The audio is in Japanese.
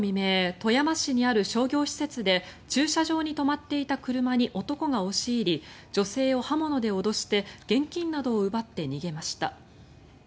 富山市にある商業施設で駐車場に止まっていた車に男が押し入り女性を刃物で脅して現金などを奪って逃げました。